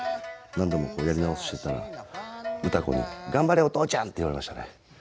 何度もこうやり直してたら歌子に「ガンバれお父ちゃん！」って言われましたね。